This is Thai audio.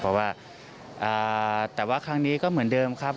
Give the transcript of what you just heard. เพราะว่าแต่ว่าครั้งนี้ก็เหมือนเดิมครับ